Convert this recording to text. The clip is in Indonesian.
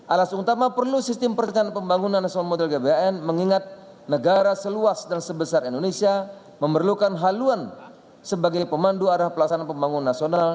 alas utama perlu sistem perencanaan pembangunan semua model gbhn mengingat negara seluas dan sebesar indonesia memerlukan haluan sebagai pemandu arah pelaksanaan pembangunan nasional